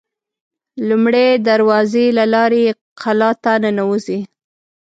لومړۍ دروازې له لارې قلا ته ننوزي.